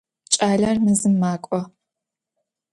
Кӏалэр мэзым макӏо.